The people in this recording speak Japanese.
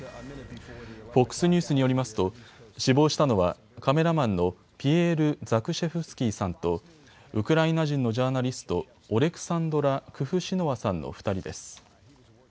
ＦＯＸニュースによりますと死亡したのはカメラマンのピエール・ザクシェフスキーさんとウクライナ人のジャーナリスト、オレクサンドラ・クフシノワさんの３人です。